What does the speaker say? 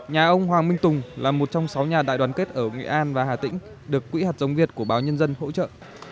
nhà ông hoàng minh tùng là một trong sáu nhà đại đoàn kết ở nghệ an và hà tĩnh được quỹ hạt giống việt của báo nhân dân hỗ trợ